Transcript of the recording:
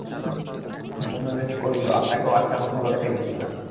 হেমনলিনী কহিল, আপনাকেও আজ তেমন ভালো দেখাইতেছে না।